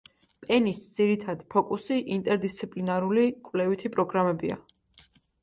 პენის ძირითადი ფოკუსი ინტერდისციპლინარული კვლევითი პროგრამებია.